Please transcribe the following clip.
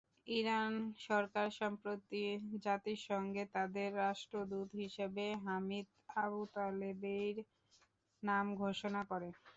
Iran সরকার সম্প্রতি জাতিসংঘে তাদের রাষ্ট্রদূত হিসেবে হামিদ আবুতালেবির নাম ঘোষণা করে।